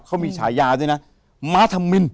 เขามีฉายาด้วยนะม้าธมิน